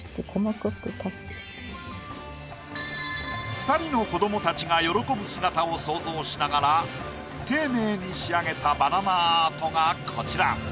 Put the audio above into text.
二人の子どもたちが喜ぶ姿を想像しながら丁寧に仕上げたバナナアートがこちら。